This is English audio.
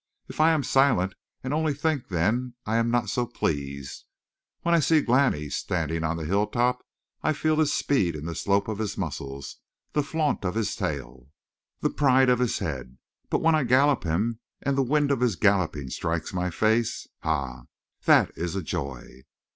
If I am silent and only think then I am not so pleased. When I see Glani standing on the hilltop I feel his speed in the slope of his muscles, the flaunt of his tail, the pride of his head; but when I gallop him, and the wind of his galloping strikes my face ha, that is a joy!